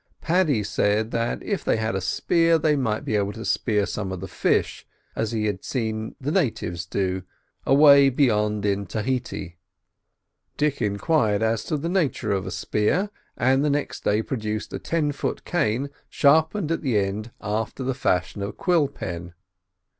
Paddy said if they had a spear they might be able to spear some of these fish, as he had seen the natives do away "beyant" in Tahiti. Dick enquired as to the nature of a spear, and next day produced a ten foot cane sharpened at the end after the fashion of a quill pen.